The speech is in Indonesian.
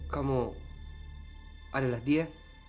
kamu adalah dia